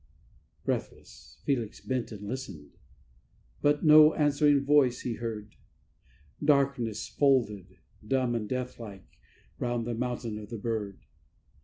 Breathless, Felix bent and listened, but no answering voice he heard; Darkness folded, dumb and deathlike, round the Mountain of the Bird.